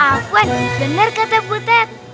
awan bener kata bu tet